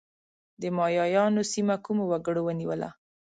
د مایایانو سیمه کومو وګړو ونیوله؟